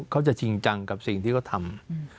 เขาจะจริงจังกับสิ่งที่เขาทำ